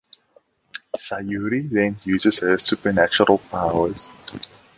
Sayuri then uses her supernatural powers.